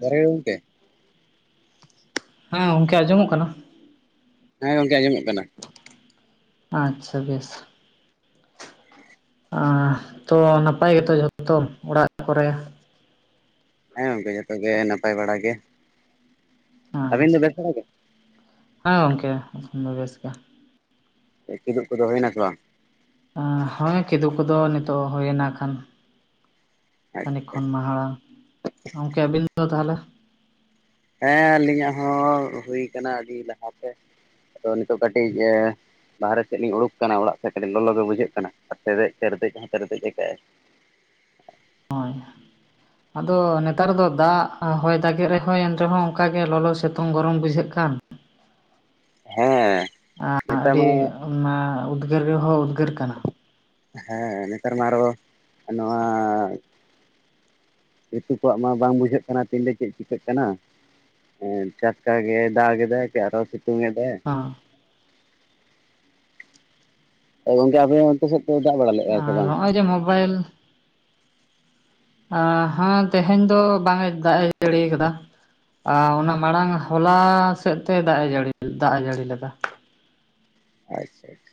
ᱡᱚᱦᱟᱸᱨ ᱜᱮ ᱜᱚᱢᱠᱮ ᱦᱮᱸ ᱜᱚᱢᱠᱮ ᱟᱸᱡᱚᱢᱚᱜ ᱠᱟᱱᱟ ᱦᱮᱸ ᱜᱚᱝᱠᱮ ᱟᱸᱡᱚᱢᱚᱜ ᱠᱟᱱᱟ ᱟᱪᱪᱷᱟ ᱵᱮᱥ ᱛᱚ ᱱᱟᱯᱟᱭ ᱜᱮᱛᱚ ᱡᱷᱚᱛᱚ ᱚᱲᱟᱜ ᱠᱚᱨᱮ ᱦᱮᱸ ᱜᱚᱝᱠᱮ ᱡᱷᱚᱛᱚ ᱜᱮ ᱱᱟᱯᱟᱭ ᱵᱟᱲᱟ ᱜᱮ ᱟᱪᱪᱷᱟ ᱟᱹᱵᱤᱱ ᱫᱚ ᱵᱮᱥ ᱵᱟᱲᱟ ᱜᱮ ᱦᱮᱸ ᱠᱮ ᱵᱮᱥᱠᱟ ᱠᱤᱫᱩᱵ ᱠᱚᱫᱚ ᱦᱩᱭᱱᱟ ᱥᱮ ᱵᱟᱝ ᱦᱮᱸ ᱠᱤᱫᱩᱯ ᱠᱚᱫᱚ ᱱᱤᱛᱚᱜ ᱦᱩᱭ ᱮᱱᱟ ᱠᱷᱟᱱ। ᱠᱷᱟᱹᱱᱤᱠ ᱠᱷᱚᱱ ᱢᱟᱲᱟᱝ ᱜᱚᱢᱠᱮ ᱟᱹᱵᱤᱱ ᱫᱚ ᱛᱟᱦᱚᱞᱮ ᱦᱮᱸ ᱟᱹᱞᱤᱧᱟᱜ ᱦᱚᱸ ᱦᱩᱭ ᱟᱹᱰᱤ ᱞᱟᱦᱟᱛᱮ ᱟᱫᱚ ᱱᱤᱛᱚᱜ ᱠᱟᱹᱴᱤᱡᱽ ᱵᱟᱦᱨᱮ ᱥᱮᱫ ᱞᱤᱧ ᱩᱲᱩᱠ ᱠᱟᱱᱟ, ᱚᱲᱟᱜ ᱥᱮᱫ ᱠᱟᱹᱴᱤᱡ ᱞᱚᱞᱚ ᱜᱮ ᱵᱩᱡᱷᱟᱹᱜ ᱠᱟᱱᱟ ᱟᱨ ᱛᱮᱨᱫᱮᱡ ᱛᱮᱨᱫᱮᱡ ᱛᱮᱨᱫᱮᱡ ᱦᱚᱸ ᱛᱮᱨᱫᱮᱡ ᱠᱟᱜᱟᱭ ᱦᱳᱭ ᱟᱫᱚ ᱱᱮᱛᱟᱨ ᱫᱚ ᱫᱟᱜ ᱦᱚᱭ ᱫᱟᱜᱮᱫ ᱨᱮᱦᱚᱸ ᱮᱱ ᱨᱮᱦᱚᱸ ᱚᱱᱠᱟ ᱜᱮ ᱞᱚᱞᱚ ᱥᱤᱛᱩᱝ ᱜᱚᱨᱚᱢ ᱵᱩᱡᱷᱟᱹᱜ ᱦᱮᱸ [unintelligible] ᱱᱮᱛᱟᱨ ᱟᱹᱰᱤ ᱢᱟ ᱚᱱᱟ ᱩᱫᱽᱜᱟᱹᱨ ᱨᱮᱦᱚᱸ ᱩᱫᱽᱜᱟᱹᱨ ᱠᱟᱱᱟ᱾ ᱦᱮᱸ ᱱᱮᱛᱟᱨ ᱢᱟ ᱟᱨᱚ ᱱᱚᱣᱟ ᱨᱤᱛᱩ ᱠᱚᱣᱟᱜ ᱢᱟ ᱵᱟᱝ ᱵᱩᱡᱷᱟᱹᱜ ᱠᱟᱱᱟ, ᱛᱤᱱ ᱨᱮ ᱪᱮᱫ ᱪᱤᱠᱟᱹᱜ ᱠᱟᱱᱟ ᱦᱮᱸ ᱴᱟᱴᱠᱟ ᱜᱮ ᱫᱟᱜ ᱮᱫᱟᱭ ᱡᱮ ᱟᱨᱚ ᱥᱤᱛᱩᱝ ᱮᱫᱟᱭ ᱦᱚᱸ ᱜᱚᱝᱠᱮ ᱟᱯᱮ ᱚᱱᱛᱮ ᱥᱮᱫ ᱯᱮ ᱫᱟᱜ ᱵᱟᱲᱟ ᱞᱮᱜᱟᱭ ᱥᱮ ᱟᱨ ᱵᱟᱝ ᱱᱚᱜᱼᱚᱭ ᱡᱮ ᱢᱳᱵᱟᱭᱤᱞ ᱦᱮᱸ ᱛᱮᱦᱮᱧ ᱫᱚ ᱵᱟᱝ ᱮ ᱫᱟᱜ ᱮ ᱡᱟᱹᱲᱤ ᱠᱟᱫᱟ᱾ ᱟᱨ ᱚᱱᱟ ᱢᱟᱲᱟᱝ ᱦᱚᱞᱟ ᱥᱮᱫ ᱛᱮ ᱫᱟᱜ ᱮ ᱡᱟᱹᱲᱤ ᱫᱟᱜ ᱮ ᱡᱟᱹᱲᱤ ᱞᱮᱫᱟ ᱟᱪᱪᱷᱟ ᱟᱪᱪᱷᱟ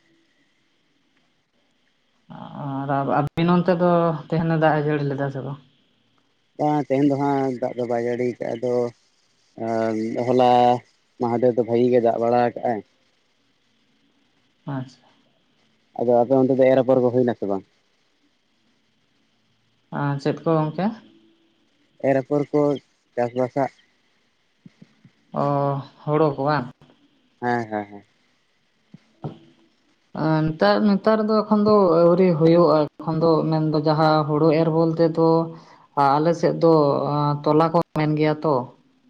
ᱟᱨ [inaudible] ᱫᱚ ᱛᱮᱦᱮᱱ ᱮ ᱫᱟᱜ ᱮ ᱡᱟᱹᱲᱤ ᱞᱮᱫᱟ ᱥᱮ ᱵᱟᱝ ᱛᱮᱦᱮᱧ ᱫᱚ ᱦᱟᱸᱜ ᱫᱟᱜ ᱫᱚ ᱵᱟᱭ ᱡᱟᱹᱲᱤ ᱠᱟᱜ-ᱟ ᱫᱚ ᱟᱨ ᱦᱚᱞᱟ ᱢᱟᱫᱷᱮᱨ ᱫᱚ ᱵᱷᱟᱜᱤ ᱜᱮ ᱫᱟᱜ ᱵᱟᱲᱟ ᱠᱟᱜᱼᱟᱭ ᱟᱪᱪᱷᱟ ᱟᱫᱚ ᱟᱯᱮ ᱚᱸᱰᱮ ᱫᱚ ᱮᱨ ᱟᱯᱷᱚᱨ ᱠᱚ ᱦᱩᱭ ᱱᱟᱥᱮ ᱵᱟᱝ ᱪᱮᱫ ᱠᱚ ᱜᱚᱝᱠᱮ ᱮᱨ ᱟᱯᱷᱚᱨ ᱠᱚ ᱪᱟᱥ ᱵᱟᱥᱟᱜ ᱚ ᱦᱳᱲᱳ ᱠᱚ ᱵᱟᱝ ᱦᱮᱸ ᱦᱮᱸ ᱦᱮᱸ [inaudible] ᱱᱮᱛᱟᱨ ᱱᱮᱛᱟᱨ ᱫᱚ ᱮᱠᱷᱚᱱ ᱫᱚ ᱟᱣᱨᱤ ᱦᱩᱭᱩᱜᱼᱟ, ᱮᱠᱷᱚᱱ ᱫᱚ ᱢᱮᱱᱫᱚ ᱡᱟᱦᱟᱸ ᱦᱩᱲᱩ ᱮᱨ ᱵᱚᱞᱛᱮ ᱛᱚ ᱟᱞᱮ ᱥᱮᱫ ᱫᱚ ᱛᱚᱞᱟ ᱠᱚ ᱢᱮᱱ ᱜᱮᱭᱟ ᱛᱚ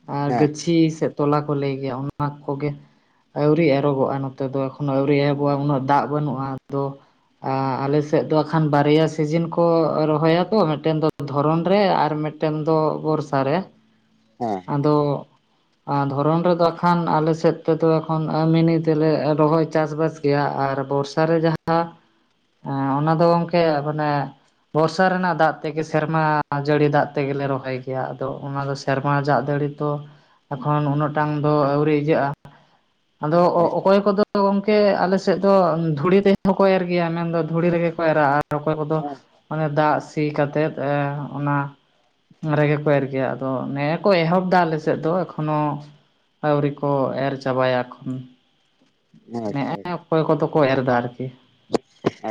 ᱟᱨ ᱜᱟᱹᱪᱷᱤ ᱥᱮᱫ ᱛᱚᱞᱟ ᱠᱚ ᱞᱟᱹᱭ ᱜᱮᱭᱟ ᱚᱱᱟ ᱠᱚ ᱠᱚᱜᱮ ᱟᱹᱣᱨᱤ ᱮᱨᱚᱜᱚᱜᱼᱟ ᱱᱚᱛᱮ ᱫᱚ ᱟᱹᱣᱨᱤ ᱮᱦᱚᱵᱚᱼᱟ ᱩᱱᱟᱹᱜ ᱫᱟᱜ ᱵᱟᱹᱱᱩᱜᱼᱟ ᱟᱫᱚ ᱟᱞᱮᱥᱮᱫ ᱫᱚ ᱟᱠᱷᱟᱱ ᱵᱟᱨᱭᱟ ᱥᱤᱡᱤᱱ ᱠᱚ ᱨᱚᱦᱚᱭᱟᱠᱚ ᱢᱤᱫᱴᱮᱱ ᱫᱚ ᱫᱷᱚᱨᱚᱱ ᱨᱮ ᱟᱨ [unintelligible] [unintelligible] ᱫᱚ ᱵᱚᱨᱥᱟ ᱨᱮ ᱦᱮᱸ ᱟᱫᱚ ᱟᱨ ᱫᱷᱚᱨᱚᱢ ᱨᱮᱫᱚ ᱟᱠᱷᱟᱱ ᱟᱞᱮ ᱥᱮᱫ ᱛᱮᱫᱚ ᱮᱠᱷᱚᱱ ᱢᱤᱱᱤ ᱛᱮᱞᱮ ᱨᱚᱦᱚᱭ ᱪᱟᱥᱵᱟᱥ ᱜᱮᱭᱟ ᱟᱨ ᱵᱚᱨᱥᱟ ᱨᱮ ᱡᱟᱦᱟᱸ ᱚᱱᱟ ᱫᱚ ᱜᱚᱝᱠᱮ ᱢᱟᱱᱮ ᱵᱚᱨᱥᱟ ᱨᱮᱱᱟᱜ ᱫᱟᱜ ᱛᱮᱜᱮ ᱥᱮᱨᱢᱟ ᱡᱟᱹᱲᱤ ᱫᱟᱜ ᱛᱮᱜᱮᱞᱮ ᱨᱚᱦᱚᱭ ᱜᱮᱭᱟ ᱟᱫᱚ ᱚᱱᱟ ᱫᱚ [unintelligible] ᱱᱚᱣᱟ ᱡᱟᱜ ᱫᱟᱹᱲᱤ ᱠᱚ ᱮᱠᱷᱚᱱ ᱩᱱᱟᱹᱜ ᱴᱟᱝ ᱫᱚ ᱟᱹᱣᱨᱤ ᱤᱭᱟᱹᱜᱼᱟ ᱟᱫᱚ ᱚ ᱦᱮᱸ ᱚᱠᱚᱭ ᱠᱚᱫᱚ ᱫᱚ ᱜᱚᱢᱠᱮ ᱟᱞᱮ ᱥᱮᱫ ᱫᱚ ᱫᱷᱩᱲᱤ ᱛᱮ ᱦᱚᱸᱠᱚ ᱮᱨ ᱜᱮᱭᱟ ᱢᱮᱱᱫᱚ ᱫᱷᱩᱲᱤ ᱨᱮᱜᱮ ᱠᱚ ᱮᱨᱟ ᱟᱨ ᱚᱠᱚᱭ ᱠᱚᱫᱚ ᱦᱮᱸ ᱢᱟᱱᱮ ᱫᱟᱜ ᱥᱤ ᱠᱟᱛᱮᱫ ᱚᱱᱟ ᱨᱮᱜᱮᱠᱚ ᱮᱨ ᱜᱮᱭᱟ ᱟᱫᱚ ᱱᱮ ᱠᱚ ᱮᱦᱚᱵ ᱮᱫᱟ ᱟᱞᱮ ᱥᱮᱫ ᱫᱚ ᱮᱠᱷᱚᱱᱳ ᱟᱹᱣᱨᱤ ᱠᱚ ᱮᱨ ᱪᱟᱵᱟᱭ-ᱟ ᱮᱠᱷᱚᱱ᱾ ᱟᱪᱪᱷᱟ ᱱᱮᱜᱼᱮ ᱟᱪᱪᱷᱟ ᱚᱠᱚᱭ ᱠᱚᱫᱚ ᱠᱚ ᱮᱨ ᱮᱫᱟ ᱟᱨᱠᱤ ᱟᱪᱪᱷᱟ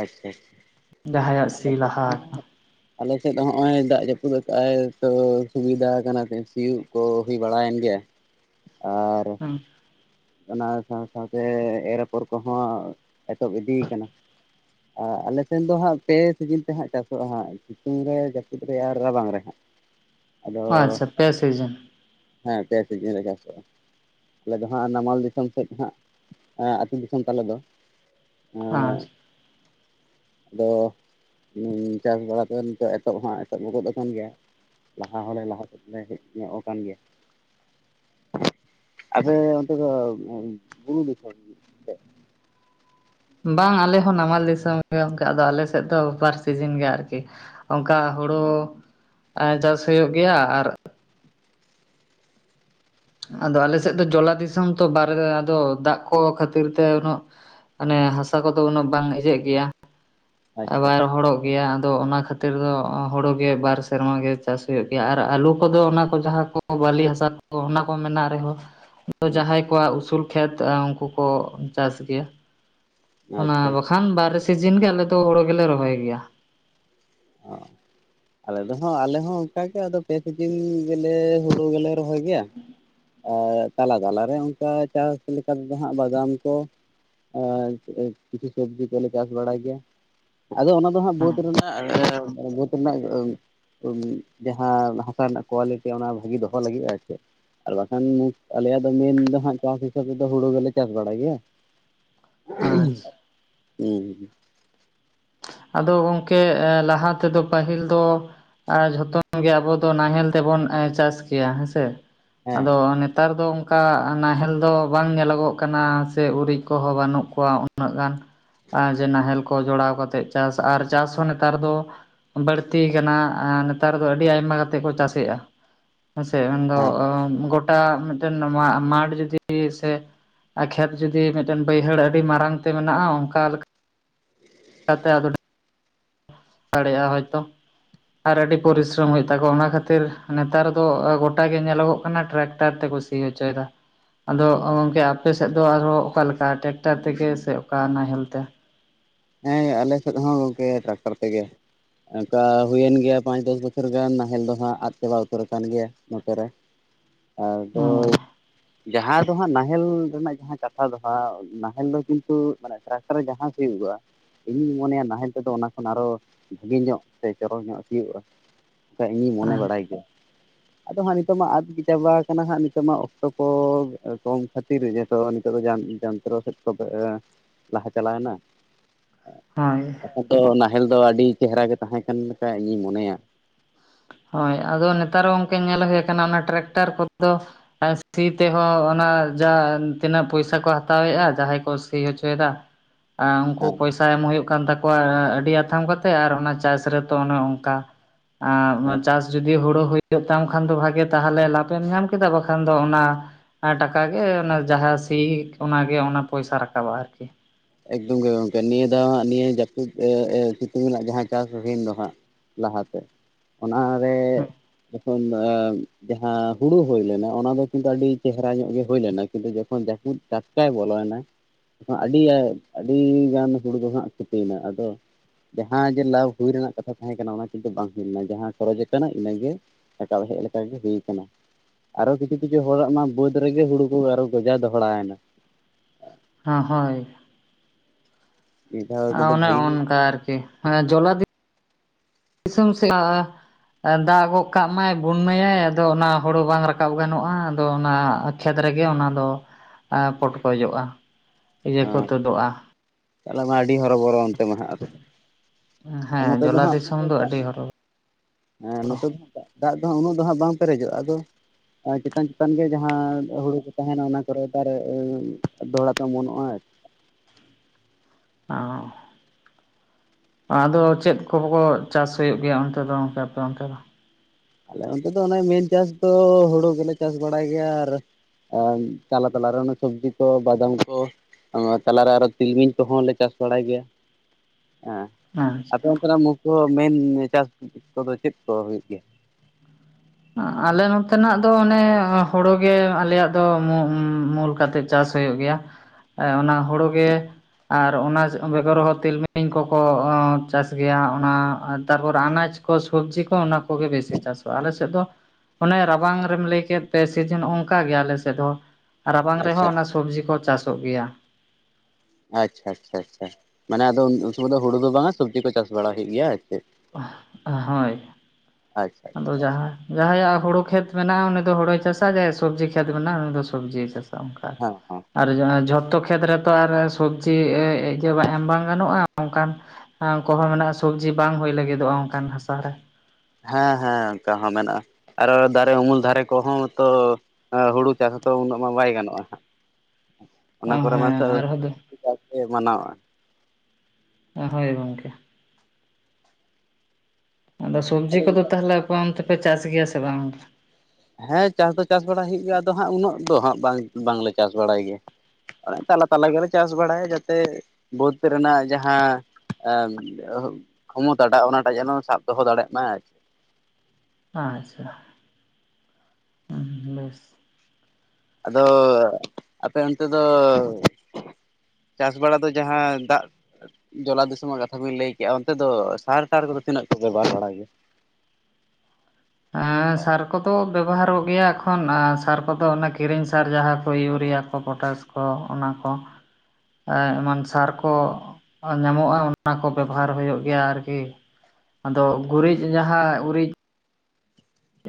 ᱡᱟᱦᱟᱸᱭᱟᱜ ᱥᱤ ᱟᱪᱪᱷᱟ ᱟᱪᱷᱟ ᱞᱟᱦᱟ ᱟᱠᱟᱱᱟ [unintelligible] ᱟᱞᱮᱥᱮᱫ ᱦᱚᱜ-ᱚᱭ ᱫᱟᱜ ᱡᱟᱹᱯᱩᱫ ᱠᱟᱜᱼᱟᱭ ᱛᱚ ᱥᱩᱵᱤᱫᱷᱟ ᱠᱟᱱᱟ [inaudible] ᱥᱤᱭᱩᱜ ᱠᱚ ᱦᱩᱭ ᱵᱟᱲᱟᱭᱮᱱ ᱜᱮ ᱟᱨ [inaudible] ᱚᱱᱟ ᱥᱟᱶ ᱥᱟᱶᱛᱮ ᱮᱨᱯᱚᱨ ᱠᱚᱦᱚᱸ ᱮᱛᱚᱵ ᱤᱫᱤ ᱟᱠᱟᱱᱟ᱾ ᱟᱸ, ᱟᱞᱮ ᱥᱮᱱ ᱫᱚ ᱦᱟᱸᱜ ᱯᱮ ᱥᱤᱡᱤᱱ ᱛᱮᱦᱟᱸᱜ ᱪᱟᱥᱚᱜᱼᱟ ᱦᱟᱸᱜ ᱥᱤᱛᱩᱝ ᱨᱮ ᱡᱟᱹᱯᱩᱫ ᱨᱮ ᱟᱨ ᱨᱟᱵᱟᱝ ᱨᱮ ᱦᱟᱸᱜ [inaudible] ᱟᱫᱚ ᱟᱪᱪᱷᱟ ᱯᱮ ᱥᱤᱡᱤᱱ ᱦᱮᱸ ᱯᱮ ᱥᱤᱡᱤᱱ ᱨᱮᱜᱮ ᱪᱟᱥᱚᱜᱼᱟ ᱟᱞᱮ ᱫᱚ ᱦᱟᱸᱜ ᱱᱟᱢᱟᱞ ᱫᱤᱥᱚᱢ ᱥᱮᱫ ᱦᱟᱸᱜ ᱮᱸ ᱟᱹᱛᱩ ᱫᱤᱥᱚᱢ ᱛᱟᱞᱮ ᱫᱚ ᱦᱮᱸ ᱟᱫᱚ ᱪᱟᱥ ᱵᱟᱲᱟ ᱫᱚ ᱱᱤᱛᱚᱜ ᱮᱛᱚᱦᱚᱵ ᱦᱚᱸ ᱮᱛᱚᱦᱚᱵ ᱜᱚᱫ ᱟᱠᱟᱱ ᱜᱮᱭᱟ ᱞᱟᱦᱟ ᱦᱚᱸᱞᱮ ᱞᱟᱦᱟ ᱥᱮᱫ ᱞᱮ ᱦᱮᱡ ᱧᱚᱜ ᱟᱠᱟᱱ ᱜᱮᱭᱟ ᱟᱵᱚ ᱚᱱᱛᱮ ᱫᱚ ᱵᱩᱨᱩ ᱫᱤᱥᱚᱢ ᱥᱮ? ᱵᱟᱝ ᱟᱞᱮ ᱦᱚᱸ ᱱᱟᱢᱟᱞ ᱫᱤᱥᱚᱢ ᱜᱮ ᱜᱚᱝᱠᱮ ᱟᱞᱮ ᱥᱮᱫ ᱫᱚ ᱵᱟᱨ ᱥᱤᱡᱤᱱ ᱜᱮ ᱟᱨᱠᱤ ᱚᱝᱠᱟ ᱦᱩᱲᱩ ᱪᱟᱥ ᱦᱩᱭᱩᱜ ᱜᱮᱭᱟ ᱟᱨ ᱟᱫᱚ ᱟᱞᱮ ᱥᱮᱫ ᱫᱚ ᱡᱚᱞᱟ ᱫᱤᱥᱚᱢ ᱛᱚ ᱵᱟᱨᱦᱮ ᱨᱮ ᱟᱫᱚ ᱫᱟᱜ ᱠᱚ ᱠᱷᱟᱹᱛᱤᱨ ᱛᱮ ᱩᱱᱟᱹᱜ ᱚᱱᱮ ᱦᱟᱥᱟ ᱠᱚᱫᱚ ᱩᱱᱟᱹᱜ ᱵᱟᱝ ᱤᱭᱟᱹᱜ ᱜᱮᱭᱟ ᱟᱪᱪᱷᱟ ᱵᱟᱝ ᱨᱚᱦᱚᱲᱚᱜ ᱜᱮᱭᱟ ᱟᱫᱚ ᱚᱱᱟ ᱠᱷᱟᱹᱛᱤᱨ ᱫᱚ ᱦᱳᱲᱳ ᱜᱮ ᱵᱟᱨ ᱥᱮᱨᱢᱟ ᱜᱮ ᱪᱟᱥ ᱦᱩᱭᱩᱜ ᱜᱮᱭᱟ ᱟᱨ ᱟᱹᱞᱩ ᱠᱚᱫᱚ ᱚᱱᱟ ᱠᱚ ᱡᱟᱦᱟᱸ ᱠᱚ ᱵᱟᱞᱤ ᱦᱟᱥᱟ ᱠᱚ ᱚᱱᱟ ᱚᱝᱠᱟ ᱢᱮᱱᱟᱜ ᱨᱮᱦᱚᱸ ᱦᱩᱸ ᱡᱟᱦᱟᱸᱭ ᱠᱚᱣᱟᱜ ᱩᱥᱩᱞ ᱠᱷᱮᱛ ᱩᱝᱠᱩ ᱠᱚ ᱪᱟᱥ ᱜᱮᱭᱟ᱾ ᱚᱱᱟ ᱟᱪᱪᱷᱟ ᱵᱟᱠᱷᱟᱱ ᱵᱟᱨ ᱥᱤᱡᱤᱱ ᱜᱮ ᱟᱞᱮ ᱫᱚ ᱦᱳᱲᱳ ᱜᱮᱞᱮ ᱨᱚᱦᱚᱭ ᱜᱮᱭᱟ ᱚ, ᱟᱞᱮ ᱫᱚ ᱦᱟᱸᱜ ᱟᱞᱮ ᱦᱚᱸ ᱚᱜᱠᱟᱜᱮ ᱟᱫᱚ ᱯᱮ ᱥᱤᱡᱤᱱ ᱜᱮᱞᱮ ᱦᱩᱲᱩ ᱜᱮᱞᱮ ᱨᱚᱦᱚᱭ ᱜᱮᱭᱟ ᱟᱨ ᱛᱟᱞᱟ ᱛᱟᱞᱟᱨᱮ ᱚᱱᱠᱟ ᱪᱟᱥ ᱞᱮᱠᱟ ᱛᱮᱫᱚ ᱦᱟᱸᱜ ᱵᱟᱫᱟᱢ ᱠᱚ ᱮᱸᱻ ᱠᱤᱪᱷᱩ ᱥᱚᱵᱡᱤ ᱠᱚᱞᱮ ᱪᱟᱥ ᱵᱟᱲᱟᱭ ᱜᱮᱭᱟ ᱟᱫᱚ ᱚᱱᱟ ᱫᱚ ᱦᱟᱸᱜ ᱦᱮᱸ ᱵᱟᱹᱫᱽ ᱨᱮᱱᱟᱜ ᱵᱟ. ᱫᱽ ᱨᱮᱱᱟᱜ ᱡᱟᱦᱟᱸ ᱦᱟᱥᱟ ᱨᱮᱱᱟᱜ ᱠᱳᱣᱟᱞᱤᱴᱤ ᱚᱱᱟ ᱵᱷᱟᱹᱜᱤ ᱫᱚᱦᱚ ᱞᱟᱹᱜᱤᱫ ᱟᱨ ᱪᱮᱫ ᱟᱨ ᱵᱟᱠᱷᱟᱱ ᱟᱞᱮᱭᱟᱜ ᱫᱚ ᱢᱮᱱ ᱫᱚ ᱦᱟᱸᱜ ᱪᱟᱥ ᱦᱤᱥᱟᱹᱵᱽ ᱛᱮᱫᱚ ᱦᱩᱲᱩ ᱜᱮᱞᱮ ᱪᱟᱥ ᱵᱟᱲᱟᱭ ᱜᱮᱭᱟ ᱦᱩᱸ ᱟᱪᱪᱷᱟ ᱦᱩᱸ ᱟᱫᱚ ᱜᱚᱝᱠᱮ ᱞᱟᱦᱟ ᱛᱮᱫᱚ ᱯᱟᱹᱦᱤᱞ ᱫᱚ ᱟᱨ ᱡᱷᱚᱛᱚᱱ ᱜᱮ ᱟᱵᱚ ᱫᱚ ᱱᱟᱦᱮᱞ ᱛᱮᱵᱚᱱ ᱪᱟᱥ ᱠᱮᱭᱟ ᱦᱮᱸᱥᱮ ᱟᱫᱚ ᱦᱮᱸ ᱚᱱᱮ ᱱᱮᱛᱟᱨ ᱫᱚ ᱚᱝᱠᱟ ᱱᱟᱦᱮᱞ ᱫᱚ ᱵᱟᱝ ᱧᱮᱞᱚᱜᱚᱜ ᱠᱟᱱᱟ ᱥᱮ ᱩᱨᱤᱡ ᱠᱚᱦᱚᱸ ᱵᱟᱹᱱᱩᱜ ᱠᱚᱣᱟ ᱩᱱᱟᱹᱜ ᱜᱟᱱ ᱟᱨ ᱡᱮ ᱱᱟᱦᱮᱞ ᱠᱚ ᱡᱚᱲᱟᱣ ᱠᱟᱛᱮᱜ ᱪᱟᱥ ᱟᱨ ᱪᱟᱥ ᱦᱚᱸ ᱱᱮᱛᱟᱨ ᱫᱚ ᱵᱟᱹᱲᱛᱤ ᱟᱠᱟᱱᱟ ᱟᱨ ᱱᱮᱛᱟᱨ ᱫᱚ ᱟᱹᱰᱤ ᱟᱭᱢᱟ ᱠᱟᱛᱮ ᱠᱚ ᱪᱟᱥᱮᱜ-ᱟ ᱦᱮᱸᱥᱮ ᱩᱱᱫᱚ ᱦᱮᱸ ᱜᱚᱴᱟ ᱢᱤᱫᱴᱮᱱ ᱢᱟ ᱢᱟᱴᱷ ᱡᱩᱫᱤ ᱥᱮ ᱟᱨ ᱠᱷᱮᱛ ᱡᱩᱫᱤ ᱢᱤᱫᱴᱮᱱ ᱵᱟᱹᱭᱦᱟᱹᱲ ᱟᱹᱰᱤ ᱢᱟᱨᱟᱝ ᱛᱮ ᱢᱮᱱᱟᱜᱼᱟ ᱚᱝᱠᱟ ᱞᱮᱠᱟ ᱞᱮᱠᱟ ᱛᱮ ᱟᱫᱚ ᱫᱟᱲᱮᱭᱟᱜ-ᱟ ᱦᱚᱭᱛᱚ ᱟᱨ ᱟᱹᱰᱤ ᱯᱚᱨᱤᱥᱨᱚᱢ ᱦᱩᱭᱩᱜ ᱛᱟᱠᱚᱣᱟ ᱚᱱᱟ ᱠᱷᱟᱹᱛᱤᱨ ᱱᱮᱛᱟᱨ ᱫᱚ ᱜᱚᱴᱟ ᱜᱮ ᱧᱮᱞᱚᱜᱚᱜ ᱠᱟᱱᱟ ᱴᱨᱟᱠᱴᱟᱨ ᱛᱮ ᱠᱚ ᱥᱤ ᱥᱤ ᱦᱚᱪᱚᱭ ᱫᱟ ᱟᱫᱚ ᱜᱚᱝᱠᱮ ᱟᱯᱮᱥᱮᱫ ᱫᱚ ᱟᱨᱦᱚᱸ ᱚᱠᱟ ᱞᱮᱠᱟ ᱴᱮᱠᱴᱟᱨ ᱛᱮᱜᱮ ᱥᱮ ᱚᱠᱟ ᱱᱟᱦᱮᱞ ᱛᱮ? ᱦᱮᱸ ᱟᱞᱮ ᱥᱮᱫ ᱦᱚᱸ ᱜᱚᱝᱠᱮ ᱴᱨᱟᱠᱴᱟᱨ ᱛᱮᱜᱮ ᱚᱝᱠᱟ ᱦᱩᱭᱮᱱ ᱜᱮᱭᱟ ᱯᱟᱸᱪ ᱫᱚᱥ ᱵᱚᱪᱷᱚᱨ ᱜᱟᱱ ᱱᱟᱦᱮᱞ ᱫᱚ ᱦᱟᱸᱜ ᱟᱫ ᱪᱟᱵᱟ ᱩᱛᱟᱹᱨ ᱟᱠᱟᱱ ᱜᱮᱭᱟ ᱱᱚᱛᱮᱨᱮ [inaudible] ᱟᱫᱚ ᱚ ᱡᱟᱦᱟᱸ ᱫᱚ ᱦᱟᱸᱜ ᱱᱟᱦᱮᱞ ᱨᱮᱱᱟᱜ ᱡᱟᱦᱟᱸ ᱠᱟᱛᱷᱟ ᱫᱚ ᱦᱟᱸᱜ ᱱᱟᱦᱮᱞ ᱫᱚ ᱠᱤᱱᱛᱩ ᱢᱟᱱᱮ ᱴᱨᱟᱠᱴᱟᱨ ᱨᱮ ᱡᱟᱦᱟᱸ ᱥᱤᱭᱩᱜᱚᱜᱼᱟ ᱤᱧᱤᱧ ᱢᱚᱱᱮᱭᱟ ᱱᱟᱦᱮᱞ ᱛᱮᱫᱚ ᱚᱱᱟ ᱠᱷᱚᱱ ᱟᱨᱦᱚᱸ ᱵᱷᱟᱹᱜᱤ ᱧᱚᱜ ᱥᱮ ᱪᱚᱨᱚᱠ ᱧᱚᱜ ᱥᱤᱭᱩᱜ-ᱟ ᱚᱱᱠᱟ ᱤᱧ ᱢᱚᱱᱮ ᱵᱟᱲᱟᱭ ᱜᱮᱭᱟ᱾ [inaudible] ᱟᱫᱚ ᱦᱟᱸᱜ ᱱᱤᱛᱚᱜ ᱢᱟ ᱟᱫ ᱜᱮ ᱪᱟᱵᱟ ᱠᱟᱱᱟ ᱦᱟᱸᱜ ᱱᱤᱛᱚᱜ ᱢᱟ ᱚᱠᱛᱚ ᱠᱚ ᱠᱚᱢ ᱠᱷᱟᱹᱛᱤᱨ ᱡᱮ ᱛᱚ ᱱᱤᱛᱚᱜ ᱫᱚ ᱡᱚᱱ ᱡᱚᱱᱛᱨᱚ ᱥᱮᱫ ᱠᱚ ᱞᱟᱦᱟ ᱪᱟᱞᱟᱣᱮᱱᱟ ᱦᱮᱸ ᱦᱚᱭ ᱩᱱ ᱫᱚ ᱱᱟᱦᱮᱞ ᱫᱚ ᱟᱹᱰᱤ ᱪᱮᱦᱨᱟ ᱜᱮ ᱛᱟᱦᱮᱸ ᱠᱟᱱ ᱞᱮᱠᱟ ᱤᱧᱤᱧ ᱢᱚᱱᱮᱭᱟ᱾ ᱦᱳᱭ ᱟᱫᱚ ᱱᱮᱛᱟᱨ ᱦᱚᱸ ᱚᱝᱠᱮ ᱧᱮᱞ ᱦᱩᱭ ᱟᱠᱟᱱᱟ ᱚᱱᱟ ᱴᱨᱟᱠᱴᱚᱨ ᱠᱚᱫᱚ ᱟᱨ ᱥᱤ ᱛᱮᱦᱚᱸ ᱚᱱᱟ ᱡᱟᱦᱟᱸ ᱛᱤᱱᱟᱹᱜ ᱯᱚᱭᱥᱟ ᱠᱚ ᱦᱟᱛᱟᱣᱮᱜᱼᱟ, ᱡᱟᱦᱟᱸᱭ ᱠᱚ ᱥᱤ ᱦᱚᱪᱚᱭᱮᱫᱟ ᱟᱸᱻ ᱦᱮᱸ ᱩᱝᱠᱩ ᱯᱚᱭᱥᱟ ᱮᱢ ᱦᱩᱭᱩᱜ ᱠᱟᱱ ᱛᱟᱠᱚᱣᱟ ᱟᱹᱰᱤ ᱟᱛᱷᱟᱢ ᱠᱟᱛᱮ ᱟᱨ ᱚᱱᱟ ᱪᱟᱥ ᱨᱮᱛᱚ ᱚᱱᱮ ᱚᱱᱠᱟ ᱦᱮᱸ ᱪᱟᱥ ᱡᱩᱫᱤ ᱦᱩᱲᱩ ᱦᱩᱭᱩᱜ ᱛᱟᱢ ᱠᱷᱟᱱ ᱫᱚ ᱵᱷᱟᱜᱮ ᱛᱟᱦᱚᱞᱮ ᱞᱟᱵᱷ ᱮᱢ ᱧᱟᱢ ᱠᱮᱫᱟ ᱵᱟᱠᱷᱟᱱ ᱫᱚ ᱚᱱᱟ ᱴᱟᱠᱟ ᱜᱮ ᱚᱱᱟ ᱡᱟᱦᱟᱸ ᱥᱤ ᱚᱱᱟᱜᱮ ᱚᱱᱟ ᱯᱚᱭᱥᱟ ᱨᱟᱠᱟᱵᱟ ᱟᱨᱠᱤ ᱮᱠᱫᱚᱢ ᱜᱮ ᱜᱚᱝᱠᱮ ᱱᱤᱭᱟᱹ ᱫᱷᱟᱣ ᱱᱤᱭᱟᱹ ᱡᱟᱹᱯᱩᱫ ᱥᱤᱛᱩᱝ ᱨᱮᱱᱟᱜ ᱡᱟᱦᱟᱸ ᱪᱟᱥ ᱦᱩᱭᱮᱱ ᱫᱚ ᱦᱟᱸᱜ ᱞᱟᱦᱟᱛᱮ ᱚᱱᱟᱨᱮ ᱡᱚᱠᱷᱚᱱ ᱡᱟᱦᱟᱸ ᱦᱩᱲᱩ ᱦᱩᱭ ᱞᱮᱱᱟ ᱚᱱᱟ ᱫᱚ ᱠᱤᱱᱛᱩ ᱟᱹᱰᱤ ᱪᱮᱦᱨᱟ ᱧᱚᱜ ᱜᱮ ᱦᱩᱭ ᱞᱮᱱᱟ ᱠᱤᱱᱛᱩ ᱡᱚᱠᱷᱚᱱ ᱡᱟᱹᱯᱩᱫ ᱪᱟᱥ [unintelligible] ᱵᱚᱞᱚᱭᱮᱱᱟ ᱟᱹᱰᱤ ᱟᱹᱰᱤᱜᱟᱱ ᱦᱩᱲᱩ ᱫᱚ ᱦᱟᱸᱜ ᱠᱷᱩᱛᱤᱭᱮᱱᱟ ᱟᱫᱚ ᱡᱟᱦᱟᱸ ᱡᱮ ᱞᱟᱵᱷ ᱦᱩᱭ ᱨᱮᱱᱟᱜ ᱠᱟᱛᱷᱟ ᱛᱟᱦᱮᱸ ᱠᱟᱱᱟ ᱚᱱᱟ ᱠᱤᱱᱛᱩ ᱵᱟᱝ ᱦᱩᱭ ᱞᱮᱱᱟ, ᱡᱟᱦᱟᱸ ᱠᱷᱚᱨᱚᱪ ᱟᱠᱟᱱᱟ ᱤᱱᱟᱹᱜᱮ ᱨᱟᱠᱟᱵ ᱦᱮᱡ ᱞᱮᱠᱟ ᱜᱮ ᱦᱩᱭ ᱟᱠᱟᱱᱟ᱾ ᱟᱨᱚ ᱠᱤᱪᱷᱩ ᱠᱤᱪᱷᱩ ᱦᱚᱲᱟᱜ ᱢᱟ ᱵᱟᱹᱫᱽ ᱨᱮᱜᱮ ᱦᱩᱲᱩ ᱠᱚ ᱟᱨᱚ ᱜᱚᱡᱟᱣ ᱫᱚᱦᱚᱲᱟᱭᱮᱱᱟ ᱦᱳᱭ ᱢᱤᱫ ᱫᱷᱟᱣ ᱠᱤᱱᱛᱩ ᱚᱱᱮ ᱵᱷᱟᱹᱜᱤ ᱚᱱᱠᱟ ᱟᱨᱠᱤ ᱡᱚᱞᱟ ᱫᱤᱥᱚᱢ [unintelligible] ᱫᱟᱜ ᱜᱚᱜ ᱠᱟᱜ ᱢᱟᱭ ᱵᱩᱱᱱᱟᱭᱟᱭ ᱟᱫᱚ ᱚᱱᱟ ᱦᱳᱲᱳ ᱵᱟᱝ ᱨᱟᱠᱟᱵ ᱜᱟᱱᱚᱜᱼᱟ ᱟᱫᱚ ᱚᱱᱟ ᱠᱷᱮᱛ ᱨᱮᱜᱮ ᱚᱱᱟ ᱫᱚ ᱯᱚᱴᱠᱚᱡᱚᱜᱼᱟ ᱤᱭᱟᱹ ᱠᱚ ᱛᱩᱫᱚᱜᱼᱟ ᱛᱟᱦᱞᱮ ᱢᱟ ᱟᱹᱰᱤ ᱦᱚᱨᱚ ᱵᱚᱨᱚ ᱚᱱᱛᱮ ᱢᱟ ᱦᱟᱸᱜ ᱟᱨ ᱦᱮᱸ ᱱᱚᱛᱮ ᱫᱚ ᱡᱚᱞᱟ ᱦᱟᱸᱜ ᱫᱤᱥᱚᱢ ᱫᱚ ᱫᱟᱜ ᱟᱹᱰᱤ ᱦᱚᱨᱚᱵᱚᱨᱚ [inaudible] ᱦᱮᱸ ᱱᱚᱛᱮ ᱫᱚ ᱦᱟᱸᱜ ᱫᱟᱜ ᱫᱟᱜ ᱫᱚ ᱦᱟᱸᱜ ᱩᱱᱟᱹᱜ ᱫᱚ ᱦᱟᱸᱜ ᱵᱟᱝ ᱯᱮᱨᱮᱡᱚᱜᱼᱟ ᱟᱫᱚ ᱪᱮᱛᱟᱱ ᱪᱮᱛᱟᱱ ᱜᱮ ᱡᱟᱦᱟᱸ ᱦᱩᱲᱩ ᱠᱚ ᱛᱟᱦᱮᱱᱟ ᱚᱱᱟ ᱠᱚᱨᱮ ᱫᱟᱨᱮ ᱫᱚᱦᱲᱟ ᱛᱮ ᱚᱢᱚᱱᱚᱜᱟ ᱟᱪᱪᱷᱟ ᱚᱸᱻ [unintelligible] ᱟᱫᱚ ᱪᱮᱫ ᱠᱚ ᱠᱚ ᱪᱟᱥ ᱦᱩᱭᱩᱜ ᱜᱮᱭᱟ ᱚᱱᱛᱮ ᱫᱚ ᱜᱚᱝᱠᱮ ᱟᱯᱮ ᱚᱱᱛᱮ ᱫᱚ? ᱟᱞᱮ ᱚᱱᱛᱮ ᱫᱚ ᱚᱱᱮ ᱢᱮᱹᱱ ᱪᱟᱥ ᱫᱚ ᱦᱩᱲᱩ ᱜᱮᱞᱮ ᱪᱟᱥ ᱵᱟᱲᱟᱭ ᱜᱮᱭᱟ ᱟᱨ ᱪᱟᱞᱟ ᱛᱟᱞᱟᱨᱮ ᱥᱚᱵᱽᱡᱤ ᱠᱚ ᱵᱟᱫᱟᱢ ᱠᱚ ᱾ ᱛᱟᱞᱟᱨᱮ ᱟᱨᱦᱚᱸ ᱛᱤᱞᱢᱤᱧ ᱠᱚᱦᱚᱸ ᱞᱮ ᱪᱟᱥ ᱵᱟᱲᱟᱭ ᱜᱮᱭᱟ ᱦᱮᱸ [unintelligible] ᱟᱯᱮ ᱚᱱᱛᱮᱱᱟᱜ ᱢᱩᱞ ᱫᱚ ᱢᱮᱱ ᱪᱟᱥ ᱠᱚᱫᱚ ᱪᱮᱫ ᱠᱚ ᱦᱩᱭᱩᱜ ᱜᱮᱭᱟ? ᱟᱞᱮ ᱱᱚᱛᱮᱱᱟᱜ ᱫᱚ ᱚᱱᱮ ᱦᱩᱲᱩ ᱜᱮ ᱟᱞᱮᱭᱟᱜ ᱫᱚ ᱢᱩᱞ ᱠᱟᱛᱮᱜ ᱪᱟᱥ ᱦᱩᱭᱩᱜ ᱜᱮᱭᱟ, ᱮ ᱚᱱᱟ ᱦᱩᱲᱩ ᱜᱮ ᱟᱨ ᱚᱱᱟ ᱵᱮᱜᱚᱨ ᱦᱚᱸ ᱛᱤᱞᱢᱤᱧ ᱠᱚᱠᱚ ᱪᱟᱥ ᱜᱮᱭᱟ ᱚᱱᱟ ᱛᱟᱨᱯᱚᱨ ᱟᱱᱟᱡᱽ ᱠᱚ ᱥᱚᱵᱽᱡᱤ ᱠᱚ ᱚᱱᱟ ᱠᱚᱜᱮ ᱵᱮᱥᱤ ᱪᱟᱥᱚᱜ ᱟ ᱾ ᱥᱮᱫ ᱫᱚ ᱚᱱᱮ ᱨᱟᱵᱟᱝ ᱨᱮᱢ ᱞᱟᱹᱭ ᱠᱮᱫ ᱯᱮ ᱥᱤᱡᱤᱱ ᱚᱱᱠᱟ ᱜᱮ ᱟᱞᱮ ᱥᱮᱫ ᱦᱚᱸ ᱨᱟᱵᱟᱝ ᱟᱪᱪᱷᱟ ᱨᱮᱦᱚᱸ ᱚᱱᱟ ᱥᱚᱵᱽᱡᱤ ᱠᱚ ᱪᱟᱥᱚᱜ ᱜᱮᱭᱟ ᱟᱪᱪᱷᱟ ᱟᱪᱪᱷᱟ ᱟᱪᱪᱷᱟ ᱢᱟᱱᱮ ᱟᱫᱚ ᱩᱱ ᱥᱚᱢᱚᱭ ᱫᱚ ᱦᱩᱲᱩ ᱫᱚ ᱵᱟᱝᱟ ᱥᱚᱵᱽᱡᱤ ᱠᱚ ᱪᱟᱥ ᱵᱟᱲᱟ ᱦᱩᱭᱩᱜ ᱜᱮᱭᱟ ᱟᱨ ᱪᱮᱫ ᱦᱳᱭ ᱟᱪᱪᱷᱟ ᱟᱫᱚ ᱟᱪᱪᱷᱟ ᱡᱟᱦᱟᱸ ᱡᱟᱦᱟᱸᱭᱟᱜ ᱦᱳᱲᱳ ᱠᱷᱮᱛ ᱢᱮᱱᱟᱜᱼᱟ ᱩᱱᱤ ᱫᱚ ᱦᱳᱲᱳᱭ ᱪᱟᱥᱟ, ᱡᱟᱦᱟᱸᱭᱟᱜ ᱥᱚᱵᱽᱡᱤ ᱠᱷᱮᱛ ᱢᱮᱱᱟᱜᱼᱟ ᱩᱱᱤ ᱫᱚ ᱥᱚᱵᱽᱡᱤᱭ ᱪᱟᱥᱟ᱾ ᱚᱱᱠᱟ ᱦᱮᱸ ᱦᱮᱸ ᱟᱨ ᱡᱷᱚᱛᱚ ᱠᱷᱮᱛ ᱨᱮᱛᱚ ᱟᱨ ᱥᱚᱵᱽᱡᱤ ᱮᱢ ᱵᱟᱝ ᱜᱟᱱᱚᱜᱼᱟ ᱚᱱᱠᱟᱱ ᱟᱨ ᱠᱚᱦᱚ ᱢᱮᱱᱟᱜᱼᱟ ᱥᱚᱵᱽᱡᱤ ᱵᱟᱝ ᱦᱩᱭ ᱞᱟᱹᱜᱤᱫᱚᱜᱼᱟ ᱚᱱᱠᱟᱱ ᱦᱟᱥᱟᱨᱮ ᱦᱮᱸ ᱦᱮᱸ ᱚᱱᱠᱟ ᱦᱚᱸ ᱢᱮᱱᱟᱜᱼᱟ ᱟᱨᱚ ᱫᱟᱨᱮ ᱩᱢᱩᱞ ᱫᱷᱟᱨᱮ ᱠᱚᱦᱚᱸ ᱛᱚ ᱦᱩᱲᱩ ᱪᱟᱥ ᱛᱚ ᱩᱱᱟᱹᱜ ᱢᱟ ᱵᱟᱭ ᱜᱟᱱᱚᱜᱼᱟ ᱦᱟᱜ [inaudible] ᱚᱱᱟ ᱠᱚᱨᱮ ᱟᱨᱦᱚᱸ ᱫᱚ [unintelligible] ᱢᱟᱱᱟᱣᱼᱟ ᱦᱳᱭ ᱜᱚᱢᱠᱮ ᱟᱫᱚ ᱥᱚᱵᱽᱡᱤ ᱠᱚᱫᱚ ᱛᱟᱦᱚᱞᱮ ᱟᱯᱮ ᱚᱱᱛᱮ ᱯᱮ ᱪᱟᱥ ᱜᱮᱭᱟ ᱥᱮ ᱵᱟᱝ? ᱦᱮᱸ ᱪᱟᱥ ᱫᱚ ᱪᱟᱥ ᱵᱟᱲᱟ ᱦᱩᱭᱩᱜ ᱜᱮᱭᱟ ᱟᱫᱚ ᱦᱟᱜ ᱩᱱᱟᱹᱜ ᱫᱚ ᱦᱟᱜ ᱵᱟᱝ ᱵᱟᱝᱞᱮ ᱪᱟᱥ ᱵᱟᱲᱟᱭ ᱜᱮᱭᱟ᱾ ᱛᱟᱞᱟ ᱛᱟᱞᱟ ᱜᱮᱞᱮ ᱪᱟᱥ ᱵᱟᱲᱟᱭᱟ ᱡᱟᱛᱮ ᱵᱟᱹᱫᱽ ᱨᱮᱱᱟᱜ ᱡᱟᱦᱟᱸ ᱠᱷᱚᱢᱚᱛᱟ ᱴᱟᱜ ᱚᱱᱟᱴᱟᱜ ᱡᱮᱱᱚ ᱥᱟᱵ ᱫᱚᱦᱚ ᱫᱟᱲᱮᱭᱟᱜ ᱢᱟ ᱟᱨ ᱟᱪᱪᱷᱟ ᱵᱮᱥ ᱟᱫᱚ ᱟᱯᱮ ᱚᱱᱛᱮ ᱫᱚ ᱪᱟᱥ ᱵᱟᱲᱟ ᱫᱚ ᱡᱟᱦᱟᱸ ᱫᱟᱜ ᱡᱚᱞᱟ ᱫᱤᱥᱚᱢ ᱟᱜ ᱠᱟᱛᱷᱟ ᱵᱤᱱ ᱞᱟᱹᱭ ᱠᱮᱜᱼᱟ ᱚᱱᱛᱮ ᱫᱚ ᱥᱟᱨ ᱴᱟᱨ ᱠᱚᱫᱚ ᱛᱤᱱᱟᱹᱜ ᱯᱮ ᱵᱮᱵᱷᱟᱨ ᱵᱟᱲᱟᱭ ᱜᱮᱭᱟ? ᱥᱟᱨ ᱠᱚᱫᱚ ᱵᱮᱵᱚᱦᱟᱨᱚᱜ ᱜᱮᱭᱟ ᱮᱠᱷᱚᱱ ᱥᱟᱨ ᱠᱚᱫᱚ ᱚᱱᱟ ᱠᱤᱨᱤᱧ ᱥᱟᱨ ᱡᱟᱦᱟᱸ ᱠᱚ ᱟᱭᱩᱨᱤᱭᱟ ᱠᱚ ᱯᱚᱴᱟᱥ ᱠᱚ ᱚᱱᱟ ᱠᱚ ᱮᱢᱟᱱ ᱥᱟᱨ ᱠᱚ ᱧᱟᱢᱚᱜᱼᱟ ᱚᱱᱟ ᱠᱚ ᱵᱮᱵᱚᱦᱟᱨ ᱦᱩᱭᱩᱜ ᱜᱮᱭᱟ ᱟᱨᱠᱤ ᱟᱫᱚ ᱜᱩᱨᱤᱡ ᱡᱟᱦᱟᱸ ᱩᱨᱤᱡ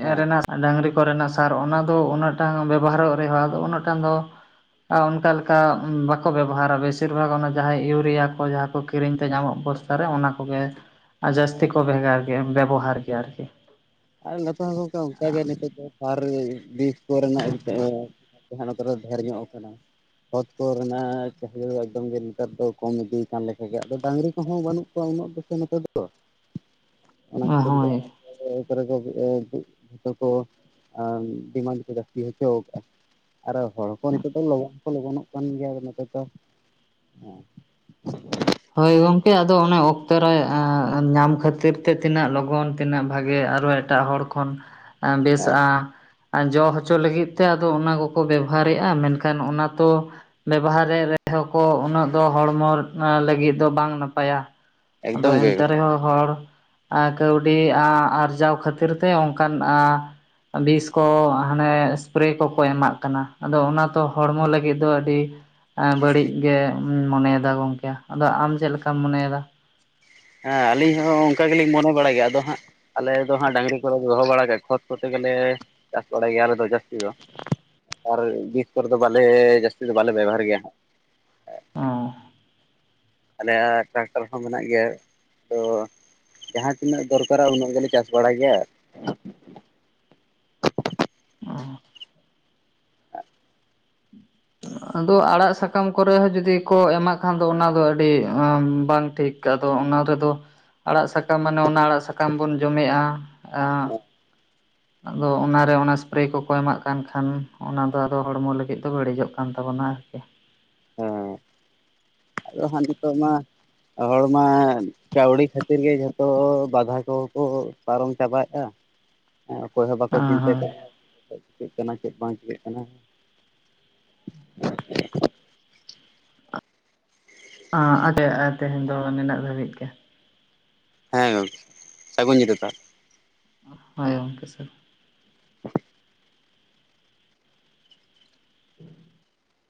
ᱦᱮᱸ ᱨᱮᱱᱟᱜ ᱰᱟᱝᱨᱤ ᱠᱚᱨᱮᱱᱟᱜ ᱥᱟᱨ ᱚᱱᱟ ᱫᱚ ᱩᱱᱟᱹᱜ ᱴᱟᱱ ᱵᱮᱵᱚᱦᱟᱨᱚᱜ ᱨᱮᱦᱚᱸ ᱟᱫᱚ ᱩᱱᱟᱹᱜ ᱴᱟᱱ ᱫᱚ ᱚᱱᱠᱟ ᱞᱮᱠᱟ ᱵᱟᱠᱚ ᱵᱮᱵᱚᱦᱟᱨᱟ ᱵᱮᱥᱤᱨ ᱵᱷᱟᱜᱽ ᱚᱱᱟ ᱡᱟᱦᱟᱸᱭ ᱤᱭᱩᱨᱤᱭᱟ ᱠᱚ ᱡᱟᱦᱟᱸ ᱠᱚ ᱠᱤᱨᱤᱧ ᱛᱮ ᱧᱟᱢᱚᱜ ᱚᱱᱟ ᱠᱚᱜᱮ ᱡᱟᱹᱥᱛᱤ ᱠᱚ ᱵᱷᱮᱜᱟᱨ ᱜᱮ ᱵᱮᱵᱚᱦᱟᱨ ᱜᱮᱭᱟ ᱟᱨᱠᱤ ᱟᱨ ᱱᱤᱛᱚᱜ ᱦᱚᱸ ᱜᱚᱢᱠᱮ ᱚᱱᱠᱟᱜᱮ ᱱᱤᱛᱚᱜ ᱫᱚ ᱥᱟᱨ ᱵᱤᱥ ᱠᱚᱨᱮᱱᱟᱜ ᱡᱟᱦᱟᱸ ᱱᱚᱛᱮ ᱨᱮ ᱰᱷᱮᱨ ᱧᱚᱜ ᱟᱠᱟᱱᱟ ᱠᱷᱚᱛ ᱠᱚᱨᱮᱱᱟᱜ ᱪᱟᱹᱦᱤᱫᱟ ᱫᱚ ᱮᱠᱫᱚᱢ ᱜᱮ ᱱᱮᱛᱟᱨ ᱫᱚ ᱠᱚᱢ ᱤᱫᱤ ᱠᱟᱱ ᱞᱮᱠᱟ ᱜᱮ ᱟᱫᱚ ᱰᱟᱝᱨᱤ ᱠᱚᱦᱚᱸ ᱵᱟᱹᱱᱩᱜ ᱠᱚᱣᱟ ᱩᱱᱟᱹᱜ ᱫᱚ ᱥᱮ ᱱᱚᱛᱮ ᱨᱮᱫᱚ [inaudible] ᱚᱱᱟ ᱠᱷᱟᱹᱛᱤᱨ ᱜᱮ ᱦᱳᱭ [unintelligible] ᱡᱚᱛᱚ ᱠᱚ ᱰᱤᱢᱟᱱᱰ ᱠᱚ ᱡᱟᱹᱥᱛᱤ ᱦᱚᱪᱚ ᱠᱟᱜᱼᱟ ᱟᱨ ᱦᱚᱲ ᱠᱚ ᱱᱤᱛᱚᱜ ᱫᱚ ᱞᱚᱜᱚᱱ ᱠᱚ ᱞᱚᱜᱚᱱᱚᱜ ᱠᱟᱱ ᱜᱮᱭᱟ ᱱᱤᱛᱚᱜ ᱫᱚ [inaudible] ᱦᱳᱭ ᱜᱚᱢᱠᱮ ᱟᱫᱚ ᱚᱱᱟ ᱚᱠᱛᱚ ᱨᱮ ᱧᱟᱢ ᱠᱷᱟᱹᱛᱤᱨ ᱛᱮ ᱛᱤᱱᱟᱹᱜ ᱞᱚᱜᱚᱱ ᱛᱤᱱᱟᱹᱜ ᱵᱷᱟᱜᱮ ᱟᱨᱚ ᱮᱴᱟᱜ ᱦᱚᱲ ᱠᱷᱚᱱ ᱵᱮᱥᱼᱟ ᱦᱮᱸ ᱡᱚ ᱦᱚᱪᱚ ᱞᱟᱹᱜᱤᱫ ᱛᱮ ᱟᱫᱚ ᱚᱱᱟ ᱠᱚᱠᱚ ᱵᱮᱵᱚᱦᱟᱨᱮᱫᱼᱟ ᱢᱮᱱᱠᱷᱟᱱ ᱚᱱᱟ ᱛᱚ ᱵᱮᱵᱚᱦᱟᱨ ᱨᱮᱦᱚᱸ ᱠᱚ ᱩᱱᱟᱹᱜ ᱫᱚ ᱦᱚᱲᱢᱚ ᱞᱟ ᱞᱟᱹᱜᱤᱫ ᱫᱚ ᱵᱟᱝ ᱱᱟᱯᱟᱭᱟ ᱟᱫᱚ ᱮᱠᱫᱚᱢ ᱜᱮ ᱮᱱᱛᱮ ᱨᱮᱦᱚᱸ ᱦᱚᱲ ᱠᱟᱹᱣᱰᱤ ᱟᱨᱡᱟᱣ ᱠᱷᱟᱹᱛᱤᱨ ᱛᱮ ᱚᱱᱠᱟᱱ ᱵᱤᱥ ᱠᱚ ᱦᱟᱱᱮ ᱥᱯᱮᱨᱮ ᱠᱚᱠᱚ ᱮᱢᱟᱜ ᱠᱟᱱᱟ ᱟᱫᱚ ᱚᱱᱟ ᱛᱚ ᱦᱚᱲᱢᱚ ᱞᱟᱹᱜᱤᱫ ᱫᱚ ᱟᱹᱰᱤ ᱵᱟᱹᱲᱤᱡ ᱜᱮᱧ ᱢᱚᱱᱮᱭᱮᱫᱟ ᱜᱚᱝᱠᱮ ᱟᱫᱚ ᱟᱢ ᱪᱮᱫ ᱞᱮᱠᱟᱢ ᱢᱚᱱᱮᱭᱮᱫᱟ ᱦᱮᱸ ᱟᱹᱞᱤᱧ ᱦᱚᱸ ᱚᱱᱠᱟ ᱜᱮᱞᱤᱧ ᱢᱚᱱᱮ ᱵᱟᱲᱟᱭ ᱜᱮᱭᱟ ᱟᱫᱚ ᱦᱟᱸᱜ ᱟᱞᱮ ᱫᱚ ᱦᱟᱸᱜ ᱰᱟᱝᱜᱨᱤ ᱠᱚᱞᱮ ᱫᱚᱦᱚ ᱵᱟᱲᱟ ᱜᱮ ᱠᱷᱚᱛ ᱠᱚᱛᱮ ᱜᱮᱞᱮ ᱪᱟᱥ ᱵᱟᱲᱟᱭ ᱜᱮᱭᱟ ᱟᱞᱮ ᱫᱚ ᱡᱟᱹᱥᱛᱤ ᱫᱚ ᱟᱨ ᱵᱤᱥ ᱠᱚᱨᱮ ᱫᱚ ᱵᱟᱞᱮ ᱡᱟᱹᱥᱛᱤ ᱫᱚ ᱵᱟᱞᱮ ᱵᱮᱵᱚᱦᱟᱨ ᱜᱮᱭᱟ ᱚ ᱟᱞᱮᱭᱟᱜ ᱴᱨᱟᱠᱴᱟᱨ ᱦᱚᱸ ᱢᱮᱱᱟᱜ ᱜᱮᱭᱟ ᱛᱚ ᱡᱟᱦᱟᱸ ᱛᱤᱱᱟᱹᱜ ᱫᱚᱨᱠᱟᱨᱟ ᱩᱱᱟᱹᱜ ᱜᱮᱞᱮ ᱪᱟᱥ ᱵᱟᱲᱟᱭ ᱜᱮᱭᱟ ᱚ ᱟᱫᱚ ᱟᱲᱟᱜ ᱥᱟᱠᱟᱢ ᱠᱚᱨᱮ ᱦᱚᱸ ᱡᱩᱫᱤ ᱠᱚ ᱮᱢᱟᱜ ᱠᱷᱟᱱ ᱫᱚ ᱚᱱᱟ ᱫᱚ ᱟᱹᱰᱤ ᱵᱟᱝ ᱴᱷᱤᱠ ᱟᱫᱚ ᱚᱱᱟ ᱨᱮᱫᱚ ᱟᱲᱟᱜ ᱥᱟᱠᱟᱢ ᱢᱟᱱᱮ ᱚᱱᱟ ᱟᱲᱟᱜ ᱥᱟᱠᱟᱢ ᱵᱚᱱ ᱡᱚᱢᱮᱜᱼᱟ ᱟᱸ ᱟᱫᱚ ᱚᱱᱟᱨᱮ ᱚᱱᱟ ᱮᱥᱯᱨᱮ ᱠᱚᱠᱚ ᱮᱢᱟᱜ ᱠᱟᱱ ᱠᱷᱟᱱ ᱚᱱᱟ ᱫᱚ ᱟᱫᱚ ᱦᱚᱲᱢᱚ ᱞᱟᱹᱜᱤᱫ ᱫᱚ ᱵᱟᱹᱲᱤᱡᱚᱜ ᱠᱟᱱᱟ ᱠᱟᱱ ᱛᱟᱵᱚᱱᱟ ᱟᱨᱠᱤ ᱦᱮᱸ [inaudible] ᱟᱫᱚ ᱦᱟᱸᱜ ᱱᱤᱛᱚᱜ ᱢᱟ ᱦᱚᱲᱢᱟ ᱠᱟᱹᱣᱰᱤ ᱠᱷᱟᱹᱛᱤᱨ ᱜᱮ ᱡᱷᱚᱛᱚ ᱵᱟᱫᱷᱟ ᱠᱚᱦᱚᱸ ᱠᱚ ᱯᱟᱨᱚᱢ ᱪᱟᱵᱟᱭᱮᱫᱼᱟ [inaudible] ᱸ ᱚᱠᱚᱭ ᱦᱚᱸ ᱵᱟᱠᱚ ᱪᱤᱱᱛᱟᱹ ᱦᱳᱭ ᱠᱟᱜᱼᱟ ᱪᱤᱠᱟᱹᱜ ᱠᱟᱱᱟ ᱪᱮᱫ ᱵᱟᱝ ᱪᱤᱠᱟᱹᱜ ᱠᱟᱱᱟ ᱟ ᱟᱸᱜᱮ ᱛᱮᱦᱮᱧ ᱫᱚ ᱱᱤᱱᱟᱹᱜ ᱫᱷᱟᱹᱵᱤᱡ ᱜᱮ ᱦᱮᱸ ᱜᱚᱝᱠᱮ ᱥᱟᱹᱜᱩᱱ ᱧᱤᱫᱟ. ᱛᱟᱦᱞᱮ ᱦᱳᱭ ᱚᱝᱠᱮ ᱥᱟᱹᱜᱩᱱ [inaudible] [inaudible]